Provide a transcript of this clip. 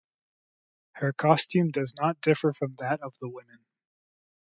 Her costume does not differ from that of the women.